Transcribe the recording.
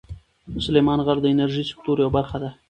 سلیمان غر د انرژۍ سکتور یوه برخه ده.